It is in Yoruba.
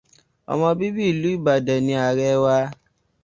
Ọmọ bíbí ìlú Ìbàdàn ni Ààrẹ wa.